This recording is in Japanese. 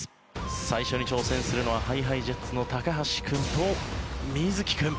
最初に挑戦するのはＨｉＨｉＪｅｔｓの橋君と瑞稀君。